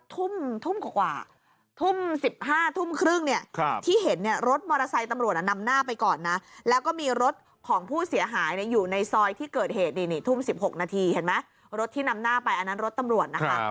อยู่ในซอยที่เกิดเหตุนี่มีรถเป็นรถสี่หกนาทีรถที่นำหน้าไปอันนั้นรถตำรวจ